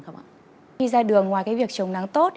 khi ra đường ngoài việc trồng nắng tốt